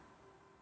mungkin pak indra